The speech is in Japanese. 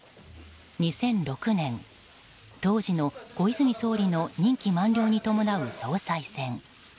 ２００６年、当時の小泉総理の任期満了に伴う総裁選。